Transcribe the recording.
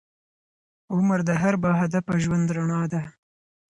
عمر د هر باهدفه ژوند رڼا ده.